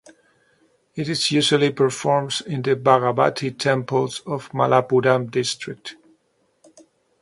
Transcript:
It is usually performs in the Bhagavathy temples of Malappuram district.